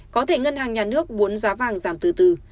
có thể ngân hàng nhà nước muốn giá vàng giảm từ từ